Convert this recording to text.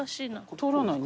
通らないね。